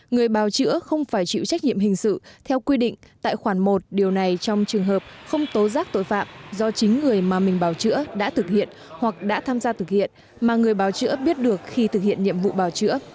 người bào chữa không phải chịu trách nhiệm hình sự theo quy định tại khoản một điều này trong trường hợp không tố giác tội phạm do chính người mà mình bảo chữa đã thực hiện hoặc đã tham gia thực hiện mà người báo chữa biết được khi thực hiện nhiệm vụ bảo chữa